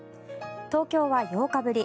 東京は８日ぶり